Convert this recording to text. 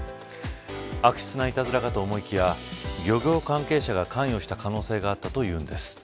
悪質ないたずらかと思いきや漁業関係者が関与した可能性があったというんです。